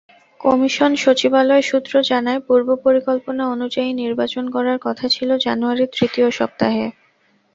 Commission সচিবালয় সূত্র জানায়, পূর্বপরিকল্পনা অনুযায়ী নির্বাচন করার কথা ছিল জানুয়ারির তৃতীয় সপ্তাহে।